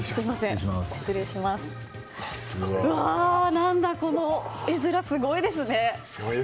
何だこの絵面、すごいですね。